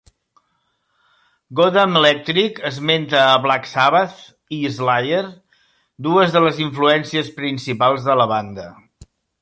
"Goddamn Electric" esmenta a Black Sabbath i Slayer, dues de les influències principals de la banda.